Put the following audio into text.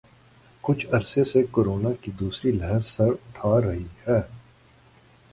کچھ عرصہ سے کورونا کی دوسری لہر سر اٹھا رہی ہے